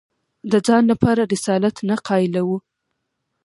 د ځان لپاره رسالت نه قایل وو